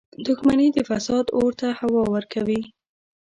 • دښمني د فساد اور ته هوا ورکوي.